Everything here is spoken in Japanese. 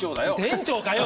店長かよ！